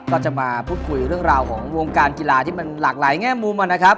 ก็จะมาพูดคุยเรื่องราวของวงการกีฬาที่มันหลากหลายแง่มุมนะครับ